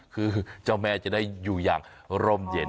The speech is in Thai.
คือเจ้าแม่จะได้อยู่อย่างร่มเย็น